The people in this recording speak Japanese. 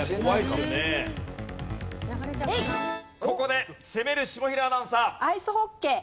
ここで攻める下平アナウンサー。